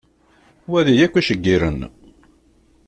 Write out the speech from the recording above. Wali akk iceggiren.